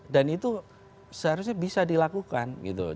dan itu seharusnya bisa dilakukan